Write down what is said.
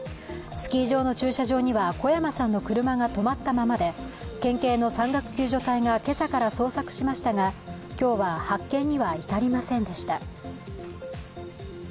スキー場の駐車場には、小山さんの車が止まったままで、県警の山岳救助隊が今朝から捜索しましたが今日は発見には至りませんでした。